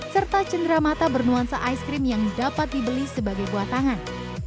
serta cendera mata bernuansa ice cream yang dapat dibeli sebagai buatangan